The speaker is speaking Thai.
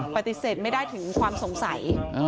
ปฏิเสธไม่ได้ถึงความสงสัย